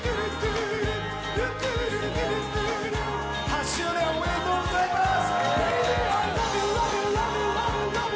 ８周年おめでとうございます！